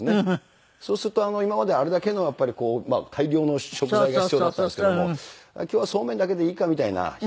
そうすると今まであれだけのやっぱりこう大量の食材が必要だったんですけども今日はそうめんだけでいいかみたいな日が。